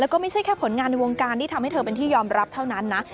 แล้วก็ไม่ใช่แค่ผลงานในวงการที่ทำให้เธอเป็นที่ยอมรับเท่านั้นนะ